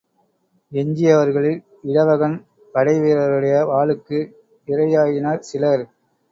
எஞ்சியவர்களில் இடவகன் படைவீரருடைய வாளுக்கு இரையாயினர் சிலர்.